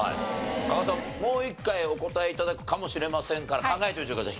加賀さんもう一回お答え頂くかもしれませんから考えておいてください